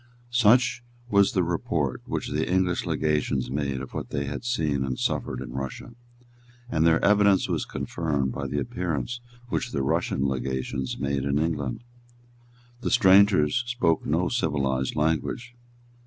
Such was the report which the English legations made of what they had seen and suffered in Russia; and their evidence was confirmed by the appearance which the Russian legations made in England. The strangers spoke no civilised language.